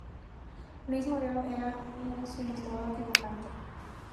Louis Moreau era su ilustrador dibujante.